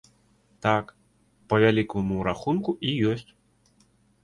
Так, па вялікаму рахунку, і ёсць.